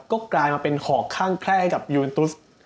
ก็กลายมาเป็นหอกข้างแคล่กับยูเอ็นตุส